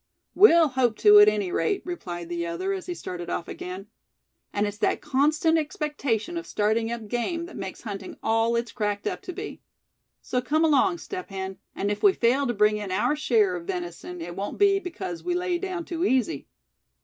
"We'll hope to, at any rate," replied the other, as he started off again; "and it's that constant expectation of starting up game that makes hunting all it's cracked up to be. So come along, Step Hen; and if we fail to bring in our share of venison it won't be because we lay down too easy.